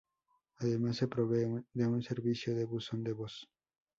Además, se provee de un servicio de buzón de voz.